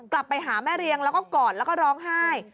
กลับไปหาแม่เรียงแล้วก็กอดแล้วก็ร้องไห้